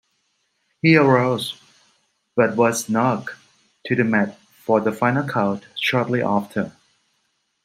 He arose but was knocked to the mat for the final count shortly after.